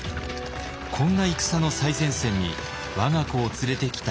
こんな戦の最前線に我が子を連れてきた信長。